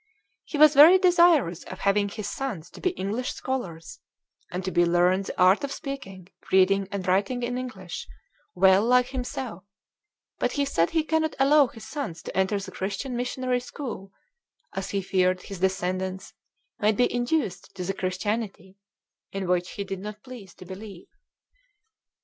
"He was very desirous of having his sons to be English scholars and to be learned the art of speaking, reading and writing in English well like himself, but he said he cannot allow his sons to enter the Christian Missionary School, as he feared his descendants might be induced to the Christianity in which he did not please to believe."